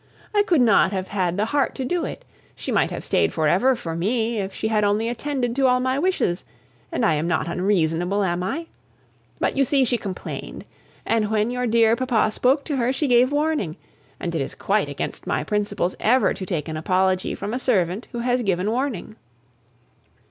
I could not have had the heart to do it. She might have stayed for ever for me, if she had only attended to all my wishes; and I am not unreasonable, am I? But, you see, she complained; and when your dear papa spoke to her, she gave warning; and it is quite against my principles ever to take an apology from a servant who has given warning."